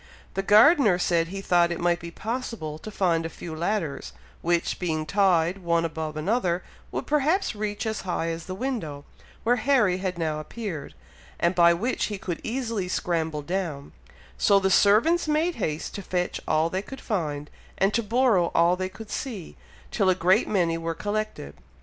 The gardener said he thought it might be possible to find a few ladders, which, being tied one above another, would perhaps reach as high as the window, where Harry had now appeared, and by which he could easily scramble down; so the servants made haste to fetch all they could find, and to borrow all they could see, till a great many were collected.